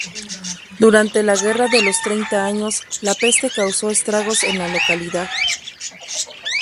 Durante la Guerra de los Treinta Años la peste causó estragos en la localidad.